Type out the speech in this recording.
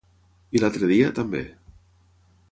I l'altre dia, també.